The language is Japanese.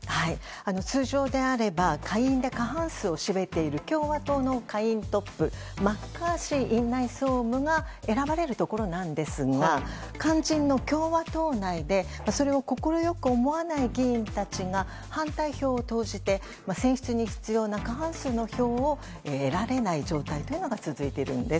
通常であれば下院で過半数を占めている共和党の下院トップマッカーシー院内総務が選ばれるところなんですが肝心の共和党内でそれを快く思わない議員たちが反対票を投じて選出に必要な過半数の票を得られない状態が続いているんです。